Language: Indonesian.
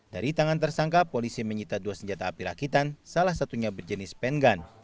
dari tangan tersangka polisi menyita dua senjata api rakitan salah satunya berjenis pengun